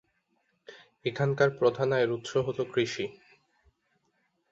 এখানকার প্রধান আয়ের উৎস হল কৃষি।